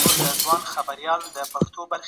خو کتاب تل زما ملګری و.